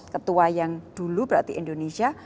ketua yang dulu berarti indonesia